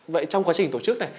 vậy trong quá trình tổ chức này